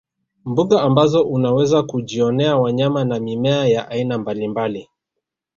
Mbuga ambazo unaweza kujionea wanyama na mimea ya aina mbalimbali